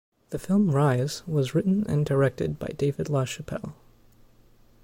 The film "Rize" was written and directed by David LaChapelle.